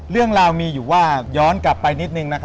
เรื่องราวมีอยู่ว่าย้อนกลับไปนิดนึง